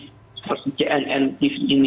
seperti cnn tv